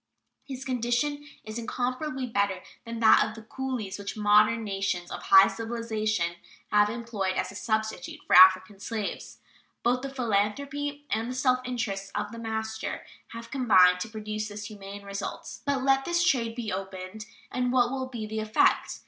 His condition is incomparably better than that of the coolies which modern nations of high civilization have employed as a substitute for African slaves. Both the philanthropy and the self interest of the master have combined to produce this humane result. But let this trade be reopened and what will be the effect?